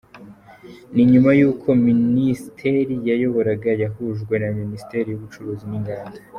Ni nyuma y’uko Minisiteri yayoboraga yahujwe na Minisiteri y’Ubucuruzi n’Inganda.